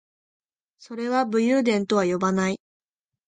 それは武勇伝とは呼ばない